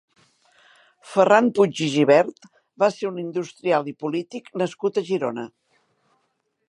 Ferran Puig i Gibert va ser un industrial i polític nascut a Girona.